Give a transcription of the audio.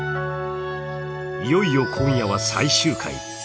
いよいよ今夜は最終回。